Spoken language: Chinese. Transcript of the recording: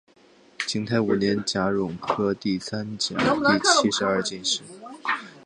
景泰五年甲戌科第三甲第七十二名进士。